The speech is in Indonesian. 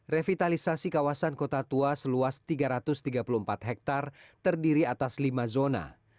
revitalisasi kawasan kota tua seluas tiga ratus tiga puluh empat hektare terdiri atas lima zona